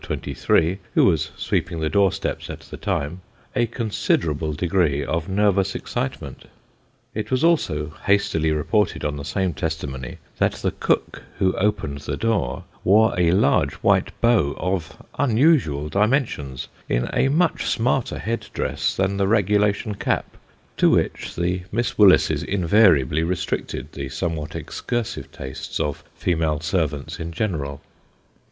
23, who was sweeping the door steps at the time, a considerable degree of nervous excitement. It was also hastily reported on the same testimony, that the cook who opened the door, wore a large white bow of unusual dimensions, in a much smarter headdress than the regulation cap to which the Miss Willises in variably restricted the somewhat excursive tastes of female servants in general.